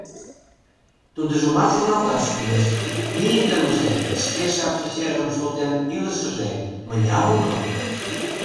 Тудыжымат шоналташ кӱлеш: мийыдымыже, шке шакше чержым шылтен илышыже, мыняр уло?